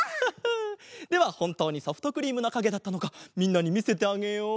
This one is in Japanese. ではほんとうにソフトクリームのかげだったのかみんなにみせてあげよう！